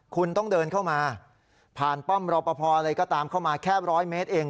คุณต้องเดินเข้ามาผ่านป้อมรอปภอะไรก็ตามเข้ามาแค่๑๐๐เมตรเอง